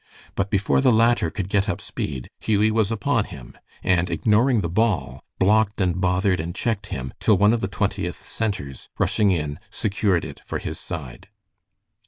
But before the latter could get up speed, Hughie was upon him, and ignoring the ball, blocked and bothered and checked him, till one of the Twentieth centers, rushing in, secured it for his side.